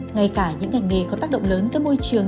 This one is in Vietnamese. ngay cả những ngành nghề có tác động lớn tới môi trường